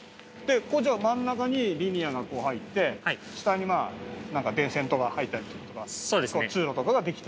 じゃあ真ん中にリニアが入って下にまあなんか電線とか入ったりとか通路とかができて？